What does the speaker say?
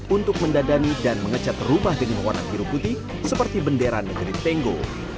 untuk mendadani dan mengecat rumah dengan warna biru putih seperti bendera negeri tengo